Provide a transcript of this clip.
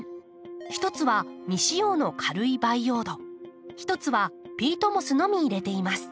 一つは未使用の軽い培養土一つはピートモスのみ入れています。